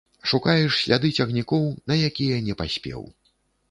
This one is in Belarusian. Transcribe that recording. Шукаеш сляды цягнікоў, на якія не паспеў.